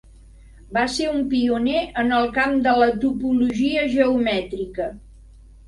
Va ser un pioner en el camp de la topologia geomètrica.